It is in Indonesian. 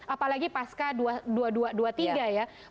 apalagi pasca dua puluh dua dua puluh tiga ya